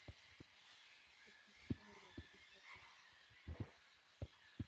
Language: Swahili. Iko katika magharibi kati ya Marekani bara.